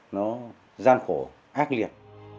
nó gian khổ ác liệt